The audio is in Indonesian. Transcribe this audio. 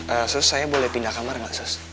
eh sus saya boleh pindah kamar nggak sus